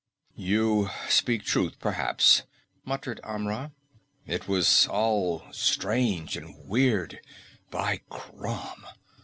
"You speak truth, perhaps," muttered Amra. "It was all strange and weird by Crom!"